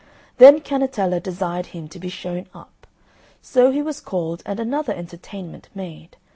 Then Cannetella desired him to be shown up; so he was called, and another entertainment made.